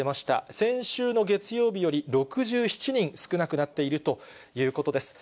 先週の月曜日より６７人少なくなっているということです。